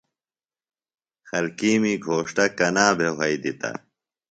خلکِیمی گھوݜٹہ کنا بھے وھئی دِتہ؟